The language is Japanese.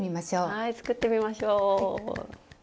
はい作ってみましょう。